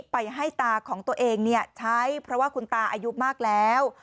ไปให้ตาของตัวเองใช้เพราะว่าคุณตาอายุมากแล้ว